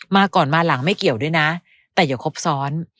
มาก่อนมาหลังไม่เกี่ยวด้วยนะแต่อย่าครบซ้อน